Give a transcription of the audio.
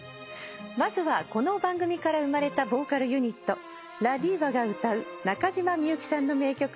まずはこの番組から生まれたボーカルユニットＬＡＤＩＶＡが歌う中島みゆきさんの名曲をお聴きください。